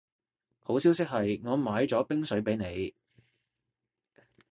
好消息係我買咗冰水畀你